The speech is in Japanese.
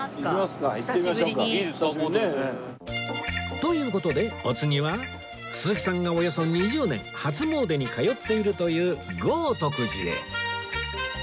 という事でお次は鈴木さんがおよそ２０年初詣に通っているという豪徳寺へ